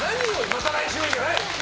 また来週じゃない！